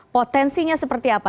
potensinya seperti apa